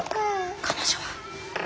彼女は？